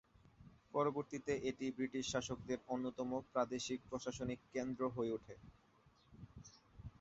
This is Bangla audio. পরবর্তীতে এটি ব্রিটিশ শাসকদের অন্যতম প্রাদেশিক প্রশাসনিক কেন্দ্র হয়ে ওঠে।